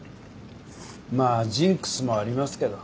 まあジンクスもありますけど。